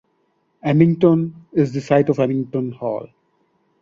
Amington is the site of Amington Hall.